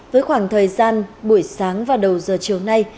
với khoảng thời gian buổi sáng và đầu giờ chiều nay